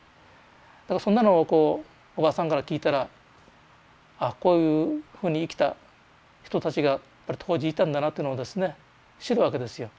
だからそんなのをこうおばさんから聞いたらあっこういうふうに生きた人たちがやっぱり当時いたんだなっていうのをですね知るわけですよ。